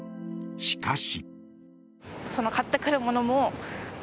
しかし。